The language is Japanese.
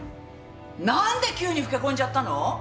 なんで急に老け込んじゃったの！？